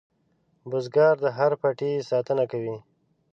بزګر د هر پټي ساتنه کوي